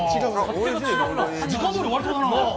時間どおり終わりそうだな。